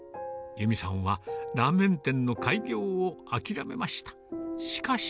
裕美さんはラーメン店の開業を諦めました。